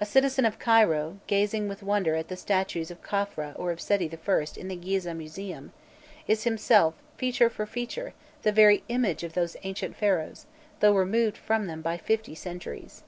A citizen of Cairo, gazing with wonder at the statues of Khafra or of Seti I. in the Gîzeh Museum, is himself, feature for feature, the very image of those ancient Pharaohs, though removed from them by fifty centuries.